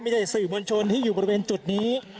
มีแต่สื่อบริษัทชนที่อยู่บริเวณจุดนี้